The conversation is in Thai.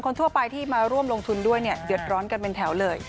ทั่วไปที่มาร่วมลงทุนด้วยเนี่ยเดือดร้อนกันเป็นแถวเลย